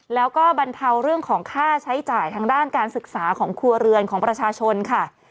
แล้วก็บรรเทาเรื่องของค่าใช้จ่ายทางด้านการศึกษาของครัวเรือนของประชาชนค่ะ